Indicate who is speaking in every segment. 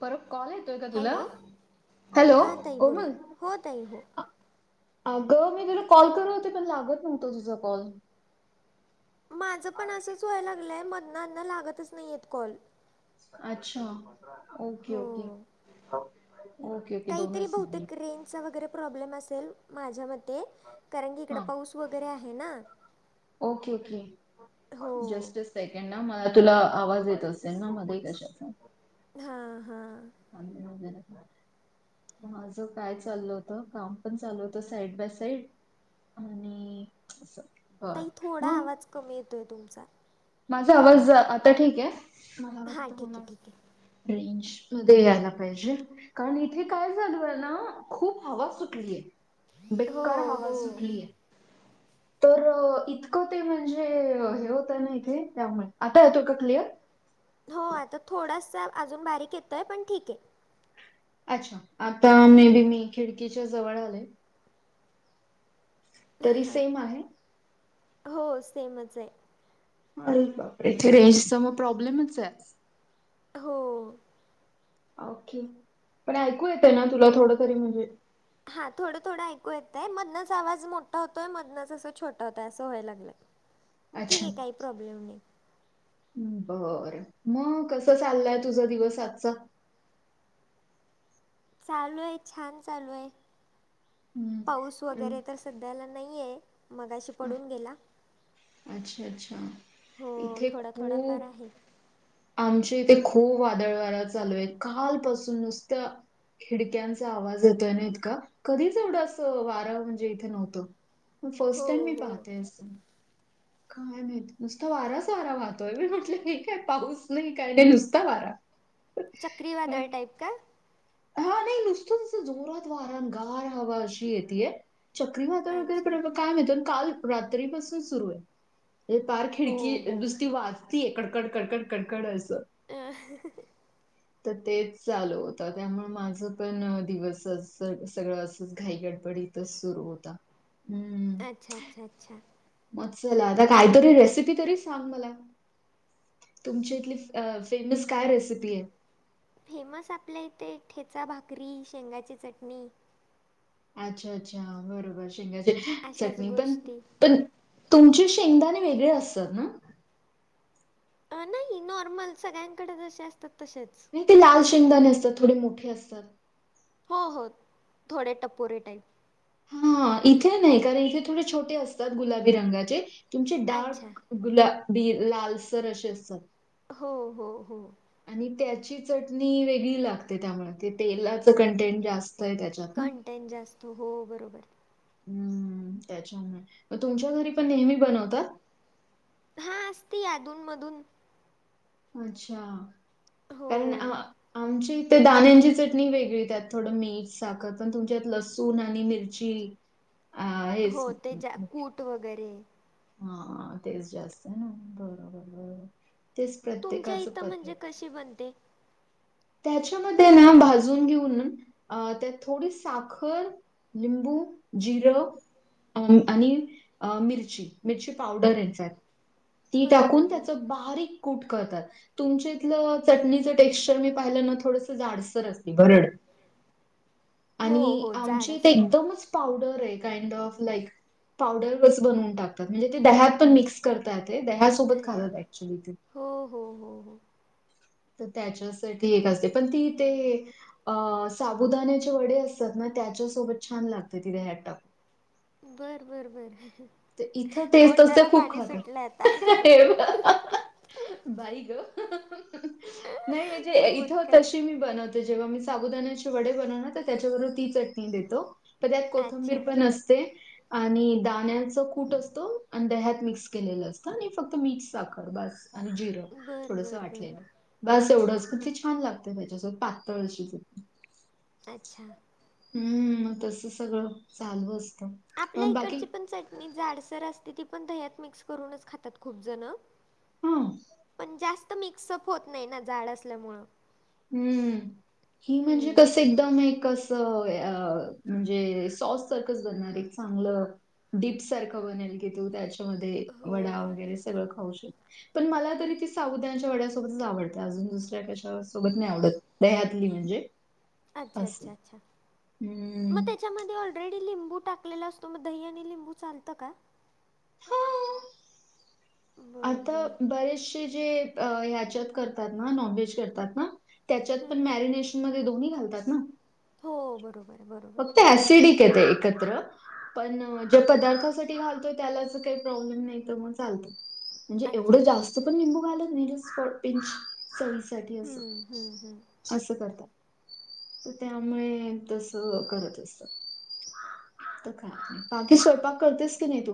Speaker 1: परत कॉलेज. का तुला
Speaker 2: हॅलो
Speaker 1: हॅलो
Speaker 2: हां ताई बोला
Speaker 1: कोमल
Speaker 2: हो ताई हो
Speaker 1: [unintelligible] अगं मी तुला कॉल करत होते, पण लागत नव्हता तुझा कॉल.
Speaker 2: माझं पणं असंच व्हाय लागलंय मधन अधन लागतचं नाहीं आहे कॉल.
Speaker 1: अच्छा! ओके ओके
Speaker 2: हो
Speaker 1: ओके ओके दोनचं
Speaker 2: नेटचा वगैरे प्रॉब्लेम असेल माझ्या मध्यें कारणं की इकडं
Speaker 1: हा
Speaker 2: पाऊस वगैरें आहे नां.
Speaker 1: ओके ओके
Speaker 2: हो
Speaker 1: जस्टं तस्टं सेकंड नां मला तुला आवाज येत असेल नां मध्यें कशाचां?
Speaker 2: हां हां
Speaker 1: अ [inaudible] माझं कायं चाललं होतं. कामं पणं चालूं होतं साईड बाय साईड आणि असं बर
Speaker 2: ताई थोडा
Speaker 1: मग
Speaker 2: आवाज कमी येतोय तुमचां.
Speaker 1: माझा आवाज आता ठीक आहे. मला
Speaker 2: हां
Speaker 1: वाटतं
Speaker 2: ठीक
Speaker 1: म
Speaker 2: आहे ठीक
Speaker 1: रेंज मध्ये यायला पाहिजे. कारण इथे काय झाल ना खूप हवा सुटली आहे.
Speaker 2: आहे हो
Speaker 1: बेकार हवा
Speaker 2: हो
Speaker 1: सुटलीय आहे. तरं इतकं ते म्हणजे हे होतं नां त्यामुळें, आता येतो कां क्लिअर?
Speaker 2: हो आता थोडासां अजूंन बारीक येतोय पणं ठीक आहे.
Speaker 1: अच्छा! आता मे बी मी खिडकीच्यां जवळं आले. तरी
Speaker 2: हां,
Speaker 1: सेम आहे.
Speaker 2: हो सेमचं आहे.
Speaker 1: अरे बापरे, रेंजचा मगं प्रॉब्लेमचं आहे.
Speaker 2: हो.
Speaker 1: ओके, पणं ऐकू येतं नां तुला थोडं तरी म्हणजे
Speaker 2: हां थोडं थोडं ऐकू येतंय मधनं आवाज मोठा होतोय मधनंच असं छोटं होतंय असं व्हाय लागलंय.
Speaker 1: [inaudible]
Speaker 2: ठीक आहे कांहीं प्रॉब्लेम नाहीं.
Speaker 1: बरं, मगं कसं चाललंय तुझा दिवस आजचां?
Speaker 2: चालूं आहे छान चालूं आहे.
Speaker 1: हं.
Speaker 2: पाऊस
Speaker 1: हं.
Speaker 2: वगैरें तसं सध्यांला नाही आहे, मगांशी
Speaker 1: हं.
Speaker 2: पडूंन गेला.
Speaker 1: अच्छा! अच्छा!
Speaker 2: हो
Speaker 1: इथे
Speaker 2: थोडा थोडाफार
Speaker 1: खूंप
Speaker 2: आहे.
Speaker 1: आमच्या इथे खूंप वादळं वारा चालूं आहे. कालपासून नुसतां खिडक्यांचा आवाज येतोय नां इतका, कधीचं एवढा असं वारं म्हणजे इथे नव्हतं. फर्स्ट
Speaker 2: हो
Speaker 1: टाईम मी
Speaker 2: हो.
Speaker 1: पाहते असं कायं माहिती नुसतां वाराचं वारा वाहतोय मी म्हटलं हे कायं पाऊस नाहीं कायं नाहीं नुसतां वारा
Speaker 2: चक्रीवादंळ टाईप कां?
Speaker 1: हां नाहीं नुसतं नुसतं जोरातं वारा गांर हवा अशी येती ये. चक्रीवादंळ
Speaker 2: अच्छा
Speaker 1: वगैरें कायं म्हटलं काल रात्रीपासून सुरू आहे. हे पार खिडकी
Speaker 2: हो हो.
Speaker 1: नुसती वाचतीय कडकड कडकड कडकड असं.
Speaker 2: आ [unintelligible]
Speaker 1: ह [inaudible] तरं तेचं चालूं होतं त्यामुळें माझं पणं दिवस सगळं असंच घाई गडबडीत तेचं सुरू होता. हम्मं
Speaker 2: अच्छा! अच्छा! अच्छा!
Speaker 1: चल आता कांहीतरी रेसिपी तरी सांग मला. तुमच्या इथली फ्रेम्स कायं रेसिपी आहे.
Speaker 2: फ्रेम्स आपल्या इथे ठेचा, भाकरी, शेंगाची चटणी
Speaker 1: अच्छा अच्छा बरोबर शेंगाची
Speaker 2: अशाच
Speaker 1: चटणी पणं
Speaker 2: गोष्टी.
Speaker 1: पणं तुमचे शेंगदाणे वेगळे असतात नां
Speaker 2: अ नाहीं नॉर्मल सगळ्यांकडे जसे असतात तसेचं
Speaker 1: नाय ते लाल शेंगदाणे असतात थोडे मोठे असतात.
Speaker 2: हो हो थोडे टपोरे टाईप.
Speaker 1: हां इथे नाहीं कारणं इथे थोडे छोटे असतात गुलाबी रंगाचे तुमचे
Speaker 2: अच्छा.
Speaker 1: डार्क गुलाबी लालसर असे असतात.
Speaker 2: हो हो हो.
Speaker 1: आणि त्याची चटणी वेगळी लागते त्यामुळ ते तेलाच कं टेन जास्तयं त्याच्यात ना
Speaker 2: टेन जास्त हो बरोबर
Speaker 1: हम्म त्याच्यामुळे म तुमच्या घरी पण नेहमी बनवता.
Speaker 2: हा असती अधून मधून
Speaker 1: अच्छा
Speaker 2: हो,
Speaker 1: कारण अ आ आमचे ते दाण्यांची चटणी वेगळी त्यात थोडं मीठ साख पणं तुमच्यांत लसूण आणि मिर्ची
Speaker 2: हो ते ज्यां कूंट वगैरे
Speaker 1: हा तेच जास्त आहे ना बरोबर बरोबर तेच
Speaker 2: तुमच्या
Speaker 1: प्रत्येकाचं
Speaker 2: इथं
Speaker 1: पद्धत.
Speaker 2: म्हणजे कशी बनते.
Speaker 1: त्याच्यामध्ये ना भाजून घेऊन अ त्यात थोडी साखर, लिंबू, जिरं अ आणि अ मिरची मिरची पावडर याच्यात ती
Speaker 2: बरं, बरं,
Speaker 1: टाकून
Speaker 2: बरं.
Speaker 1: त्याच बारीक कूट करतात तुमच्या इथलं चटणीच टेक्चर मी पाहिलं ना थोडस जाडसर असते भरड
Speaker 2: हो,
Speaker 1: आणि
Speaker 2: हो. जाड
Speaker 1: आमच्या इथं
Speaker 2: असते.
Speaker 1: एकदमच पावडरये कांड ऑफ लाईक पावडरच बनवून टाकतात म्हणजे ते दह्यात पण मिक्स करता येते दह्यासोबत खातात
Speaker 2: दह्यात.
Speaker 1: ऍक्चुली ती
Speaker 2: हो हो हो हो
Speaker 1: त त्याच्यासांठी एक असते पण ती ते अ साबुदाण्याचे वडे असतात ना त्याच्यासोबत छान लागते ती दह्यात टाकून.
Speaker 2: बरं बरं बरं
Speaker 1: तरइथं ते तस
Speaker 2: तोंडाला
Speaker 1: खूप
Speaker 2: पाणी
Speaker 1: खातात.
Speaker 2: सुटलं आता.
Speaker 1: बाई ग नाही म्हणजे
Speaker 2: मग
Speaker 1: इथं
Speaker 2: काय?
Speaker 1: तशी मी बनवते जेव्हा मी साबुदानाचे वडे बनवण ना त त्याच्याबरोबर ती चटणी देतो. पण त्यात कोथंबीर
Speaker 2: अच्छा.
Speaker 1: पण असते आणि दाण्या तो कूट असतो आणि दह्यात मिक्स केलेलं असतं आणि फक्त मीठ साखर बास आणि जिरं
Speaker 2: बरं,
Speaker 1: थोडस
Speaker 2: बरं, बरं.
Speaker 1: वाटलेल. बास एवढंच पण ती छान लागत त्याच्यासोबत पातळ अशी चटणी
Speaker 2: अच्छा
Speaker 1: हूं म तस सगळं चालू असतं.
Speaker 2: आपल्या
Speaker 1: पण बाकी
Speaker 2: इकडची पण चटणी जाडसर असते ती पण दह्यात मिक्स करूनच खातात खूप जण
Speaker 1: हां.
Speaker 2: पण जास्त मिक्सअप होत नायं ना जाड असल्यामुळ
Speaker 1: हम्म ही म्हणजे
Speaker 2: हम्म.
Speaker 1: कस एक कदम एक कंसं म्हणजे सॉस सारखच बनणार एक चांगलं डीप सारखं बनेल की तू त्याच्यामध्ये वडा
Speaker 2: हो.
Speaker 1: वगैरे सगळ खुऊशी पण मला तरी ती साबुदाण्याच्या वड्यासोबतच आवड अजून दुसऱ्या कश्यावर सोबत नाय आवडत दह्यातली म्हणजे.
Speaker 2: अच्छा
Speaker 1: असं
Speaker 2: अच्छा अच्छा. मग
Speaker 1: हम्म
Speaker 2: त्याच्यामध्ये ऑलरेडी लिंबू टाकलेला असतो म दही आणि लिंबू चालतं का?
Speaker 1: हो.
Speaker 2: बरं
Speaker 1: आता
Speaker 2: बरं
Speaker 1: बरेचशे जे ह्याच्यात करतात ना नॉन व्हेज करतात ना त्याच्यात
Speaker 2: हम्म
Speaker 1: पण
Speaker 2: हम्म.
Speaker 1: मॅरिनेशन मध्ये दोन्ही घालतात ना.
Speaker 2: हो बरोबर. बरोबर
Speaker 1: फक्त ऍसिडिकए ते एकत्र. पण ज्या पदार्थासाठी घालतोय त्यालाच काय प्रॉब्लेम नाय तर मग चालत. म्हणजे
Speaker 2: अच्छा
Speaker 1: एवढं
Speaker 2: अच्छा
Speaker 1: जास्त
Speaker 2: अच्छा.
Speaker 1: पण लिंबू घालत नाय जस्ट फॉर पिंनच चवी साठी असं.
Speaker 2: हम्म हम्म हम्म
Speaker 1: असं करतात तर त्यामुळे तस करत असतात. त काय बाकी स्वयंपाक करतेस की नाय तू?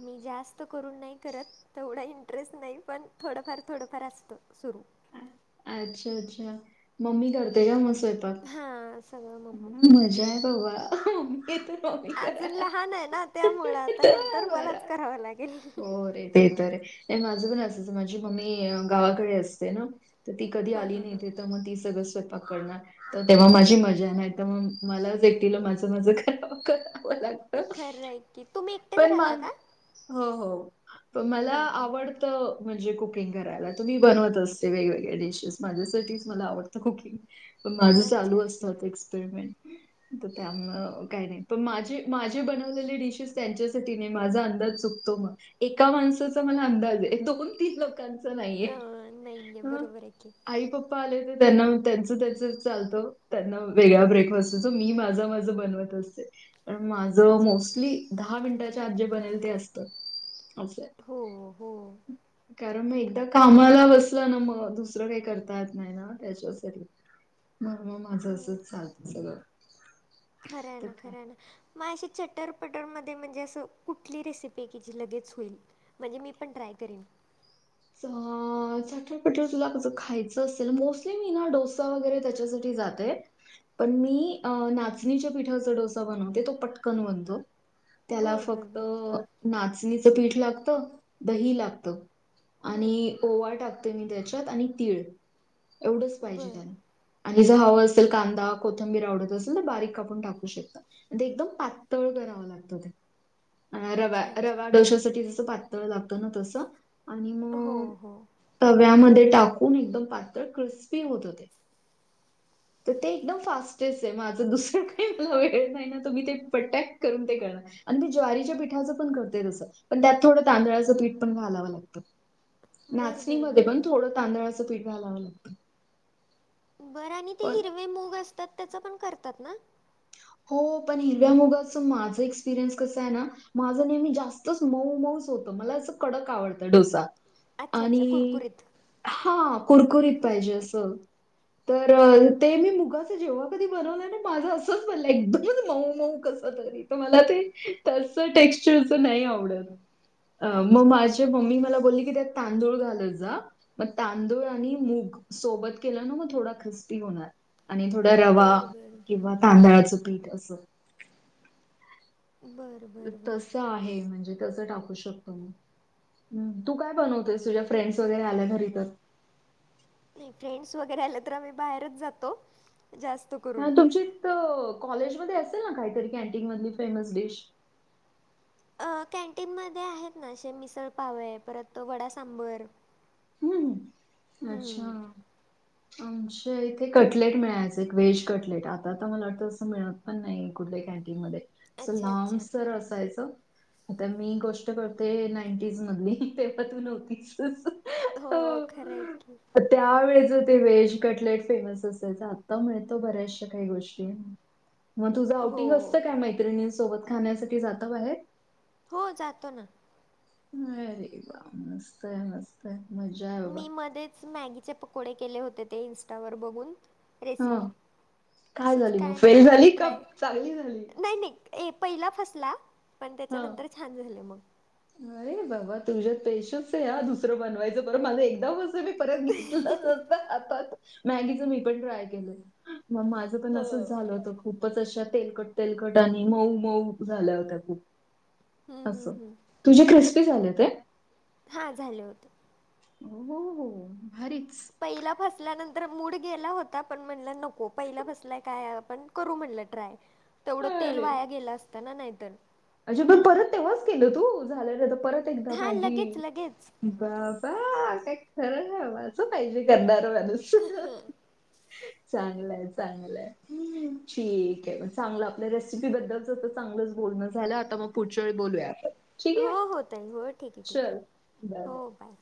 Speaker 2: मी जास्त करून नाय करत. तेवढा इंटरेस्ट नाय पण थोडंफार थोडंफार असतो सुरू.
Speaker 1: अच्छा अच्छा मम्मी करते का म स्वय
Speaker 2: हां सगळं मम्मीच.
Speaker 1: मजा हाय बाबा. मम्मी
Speaker 2: अजून
Speaker 1: करायला.
Speaker 2: लहान आहे ना त्यामुळं आता नंतर मलाच करावं लागेल.
Speaker 1: हो रे ते तर ए ये माझं पण असंच माझी मम्मी गावाकडे असते ना. तर ती कधी
Speaker 2: हां
Speaker 1: आली
Speaker 2: हां
Speaker 1: नाय
Speaker 2: हां
Speaker 1: तेे त म ती सगळं स्वयंपाक करणार तर तेव्हा माझी मज्जाय नाय तर म मलाच एकटीला माझं माझं कराव करावं
Speaker 2: ते
Speaker 1: लागत.
Speaker 2: खरं आहे की तुम्ही एकटेच राहता का?
Speaker 1: हो हो तो मला
Speaker 2: बरं
Speaker 1: आवड
Speaker 2: बरं
Speaker 1: त म्हणजे कुकिंग करायला त मी बनवत असते वेगवेगळ्या डिशेस माझ्यासाठीच मला आवडतं कुकिंग. माझं
Speaker 2: अच्छा
Speaker 1: चालू असत त त्यामुळं काय नाय पण माझे माझे बनवले डिशस त्यांच्या चुकीने माझा अंदाज चुकतो म एका माणसाचा मला अंदाज ए दोन तीन कांच नाईये
Speaker 2: अं नाही आहे बरोबर आहे की.
Speaker 1: आई प पाले त्यांना त्यांच त्याच चालत. त्यांना वेगळा ब्रेकफास्ट असतो. मी माझं माझं बनवत असते पण माझ मोस्टली दहा मिनिटाच्या आत जे बनेल ते असत असंय.
Speaker 2: हो हो
Speaker 1: कारण म एकदा कामाला बसलं ना मग दुसरं काय करता येत नाय ना. त्याच्यासाठी मग म माझ असं
Speaker 2: हम्म
Speaker 1: चालत सगळं.
Speaker 2: खरंय
Speaker 1: तर
Speaker 2: ना
Speaker 1: काय.
Speaker 2: खरंय ना. म अशी चटरपटरमध्ये म्हणजे असं कुठली रेसिपी ए कि जी लगेच होईल? म्हणजे मी पण ट्राय करीन.
Speaker 1: च- चटरपटर तुला जर खायचं असेल मोस्टली मी ना डोसा वगैरे त्याच्यासाठी जा ते पण मी नाचणीच्या पिठाचा डोसा बनवते तो पटकन बनतो. त्याला
Speaker 2: बरं बरं
Speaker 1: फक्त
Speaker 2: बरं
Speaker 1: नाचणीचं पीठ लागतं दही लागत.
Speaker 2: हम्म
Speaker 1: आणि ओवा टाकते मी त्याच्यात आणि तीळ एवढच पाहिजे
Speaker 2: बरं
Speaker 1: त्याला. आणि ज हवां असेल कांदा कोथंबीर आवडत असेल तर बारीक कापून टाक कु शकता पण ते एकदम पातळ करावं लागतं ते. अ -रवा
Speaker 2: अच्छा अच्छा
Speaker 1: रवा डोश्यासाठी जस पातळ लागतं ना तसं आणि
Speaker 2: हो
Speaker 1: मग
Speaker 2: हो.
Speaker 1: तव्यामध्ये टाकून एकदम पातळ क्रिस्पी होत ते. तर ते एकदम फास्टेस्ट आहे माझं दुसरं काही आपला वेळ नाही. या दोघी एक पटेक्ट करून ते करा. आणि ते ज्वारीच्या पीठाचं पण करते तसं पण त्यात थोडं तांदळाचं पीठ पण घालावं लागतं.
Speaker 2: बरं बरं
Speaker 1: नाचणीमध्ये
Speaker 2: बरं
Speaker 1: पण
Speaker 2: बरं.
Speaker 1: थोडं तांदळाचं पीठ घालावं लागतं.
Speaker 2: बरं आणि ते
Speaker 1: पण
Speaker 2: हिरवे मूग असतात त्याच पण करतात ना?
Speaker 1: हो पण हिरव्या मुगाचं माझं एक्सपिरियन्स कस आहे ना माझं नेहमी जास्तच मऊ मऊच होतं मला असं कडक आवडतं डोसा.
Speaker 2: अच्छा अच्छा
Speaker 1: आणि
Speaker 2: कुरकुरीत
Speaker 1: हा कुरकुरीत पाहिजे असं तर ते मी मुगाचं जेव्हा कधी बनवलं ना माझं असं एकदमच मऊ मऊ कस तरी मला ते तच टेक्स्चरच नाही आवडत. अ मग
Speaker 2: अच्छा अच्छा
Speaker 1: माझे मम्मी मला बोलली की त्यात तांदूळ घालत जा मग तांदूळ आणि मूग सोबत केलं ना मग थोडा ख्रिस्पी होणार. आणि थोडा रवा
Speaker 2: बरं बरं बरं
Speaker 1: किंवा तांदळाचं पीठ असं
Speaker 2: बरं. बरं बरं
Speaker 1: तसं आहे म्हणजे तसं टाक तू काय बनवतेस तुझ्या फ्रेंडस वगैरे आल्या घरी तर?
Speaker 2: नाही फ्रेंड्स वगैरे आले तर आम्ही बाहेरच जातो. जास्त
Speaker 1: हा
Speaker 2: करून
Speaker 1: तुमची तिथं कॉलेजमध्ये असेल ना काहीतरी कॅनटीन मधली फेमस डिश?
Speaker 2: अ कॅन्टीन म आहेत ना असे मिसळ पाव परत वडा सांबर
Speaker 1: हम्, अच्छा!
Speaker 2: हम्म
Speaker 1: आमच्या इथे कटलेट मिळायचं व्हेज कटलेट आता तर मला वाटतं असं मिळत पण नाही कुठल्या कॅन्टीन मध्ये. अस
Speaker 2: अच्छा
Speaker 1: लांब
Speaker 2: अच्छा
Speaker 1: सर असायचं. आता मी गोष्ट करते नाईंटीज मधली ते तू नव्हतीस.
Speaker 2: हो खरं आहे की.
Speaker 1: त्यावेळेच ते व्हेज कटलेट फेमस असयच आता मिळतो बऱ्याचशा काही गोष्टी मग तुझं
Speaker 2: हो
Speaker 1: आउटिंग असतं काय मैत्रिणी सोबत खाण्यासाठी जाता बाहेर?
Speaker 2: हो जातो ना.
Speaker 1: ह बा मस्त आहे मस्त त्यात मजा बाबा.
Speaker 2: मी मध्येच मॅगीचे पकोडे केले होते ते इं्स्टावर बघून रेसिपी,
Speaker 1: हां.
Speaker 2: असंच
Speaker 1: झाली मग
Speaker 2: काय ना
Speaker 1: फेल
Speaker 2: काहीतरी
Speaker 1: झाली का
Speaker 2: ट्राय
Speaker 1: चांगली झाली?
Speaker 2: नाही नाही ए पहिला फसला, पण
Speaker 1: हां.
Speaker 2: त्याच्यानंतर छान झाले मग.
Speaker 1: अरे बाबा तुझ्यात पेशस आहे या दुसरं बनवायचं बरं माझं एकदा ब [unintelligible] पण
Speaker 2: हो
Speaker 1: असंच झालं होत, खूपच अशा तेलकट, तेलकट, आणि मऊ, मऊ, झाल्या होत्या खूप
Speaker 2: हम्म हम्म
Speaker 1: असं,
Speaker 2: हम्म
Speaker 1: तुझी क्रिस्पी झाले होते?
Speaker 2: हा झाले होते.
Speaker 1: हो हो हो भरीच.
Speaker 2: पहिला फसल्यानंतर मूड गेला होता पण म्हणलं नको पहिला फसलाय काय आपण करू म्हणलं ट्राय तेवढं तेल
Speaker 1: अरे
Speaker 2: वाया गेलं असतं ना नाहीतर.
Speaker 1: अच्छा! पण परत तेव्हाच केलं तू झालेलं परत एकदा
Speaker 2: हा
Speaker 1: मॅगी
Speaker 2: लगेच लगेच
Speaker 1: बाबा काय खरं मा असं पाहिजे करणार माणुस्य [unintelligible] ह [inaudible] चांगल चांगलंय ठीक आहे म चांगलं आपल्या रेसिपी बद्दल चांगलंच बोलण झालं आता मग पुढच्या वेळी बोलूया आपण.
Speaker 2: हो
Speaker 1: आहे?
Speaker 2: हो तई हो ठीक आहे ठीक
Speaker 1: चल.
Speaker 2: आहे हो बाय